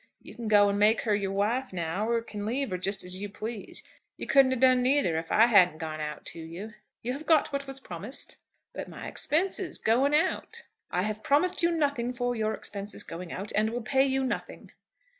You can go and make her your wife now, or can leave her, just as you please. You couldn't have done neither if I hadn't gone out to you." "You have got what was promised." "But my expenses, going out?" "I have promised you nothing for your expenses going out, and will pay you nothing."